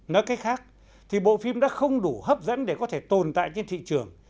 nói cách khác thì bộ phim đã không đủ hấp dẫn để có thể tồn tại trên thị trường